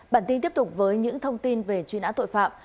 bản tin tiếp tục với những thông tin về chuyên án tội phạm